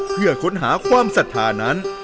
เพื่อค้นหาความศรัทธานั้น